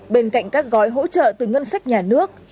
bên cạnh các gói hỗ trợ từ ngân sách nhà nước